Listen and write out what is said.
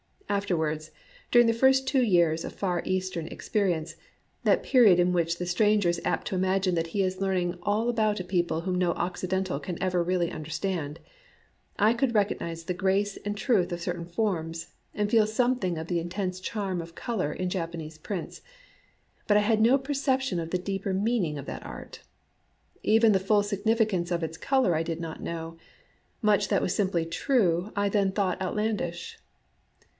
Afterwards, during the first two years of Far Eastern experience, — that period in which the stranger is apt to imagine that he is learn ing all about a people whom no Occidental can ever really understand, — I coidd recog nize the grace and truth of certain forms, and feel something of the intense charm of color in Jaj^anese prints ; but I had no perception of the deeper meaning of that art. Even the full significance of its color I did not know : much that was simply true I then thought outlandish.